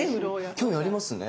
興味ありますね。